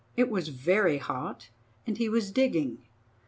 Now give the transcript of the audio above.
It was very hot, and he was digging.